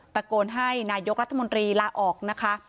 ตะโกนให้นายกรัฐมนตรีลาออกนะคะ